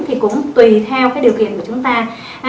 thì cũng tùy theo điều kiện của chúng ta